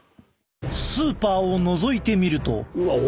スーパーをのぞいてみると。